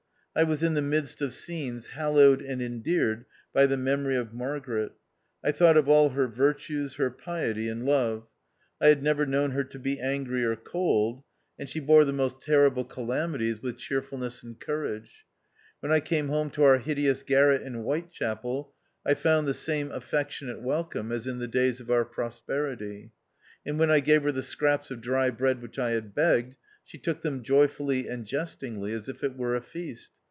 I was in the midst of scenes hallowed and endeared by the memory of Margaret. I thought of all her virtues, her piety, and love. I had never known her to be angry or cold, and she bore the most terrible 238 THE OUTCAST. calamities with cheerfulness and courage. When I came home to our hideous garret in Whitechapel, I found the same affectionate welcome as in the days of our prosperity ; and when I gave her the scraps of dry bread which I had begged, she took them joyfully and jestingly, as if it were a feast.